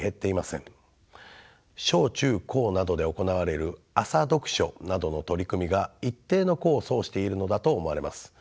小中高などで行われる朝読書などの取り組みが一定の功を奏しているのだと思われます。